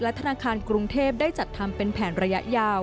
ธนาคารกรุงเทพได้จัดทำเป็นแผนระยะยาว